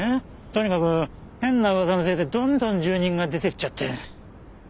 とにかく変な噂のせいでどんどん住人が出て行っちゃって。